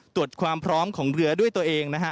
ตรวจความพร้อมของเรือด้วยตัวเองนะฮะ